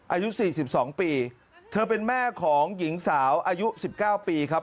อายุ๔๒ปีเธอเป็นแม่ของหญิงสาวอายุ๑๙ปีครับ